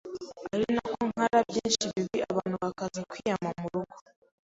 ari nako nkara byinshi bibi abantu bakaza kwiyama mu rugo,